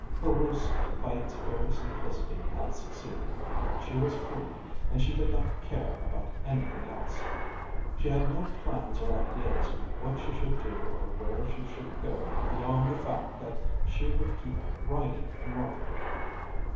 Her ruse by its very simplicity had succeeded. She was free and she did not care about anything else. She had no plans or ideas what she should do or where she should go beyond the fact that she would keep riding northward.